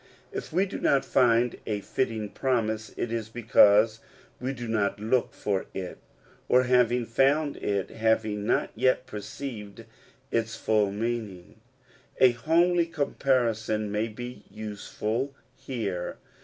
If we do not find a fitting promise, it is because we do not look for it ; or having found it, have not yet perceived its full meaning. A homely comparison may be useful here.